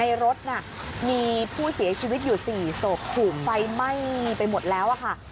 มิดอยู่๔ส่วนคลุมไฟไหม้ไปหมดแล้วค่ะ